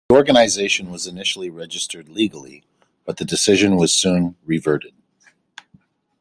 The organization was initially registered legally, but the decision was soon reverted.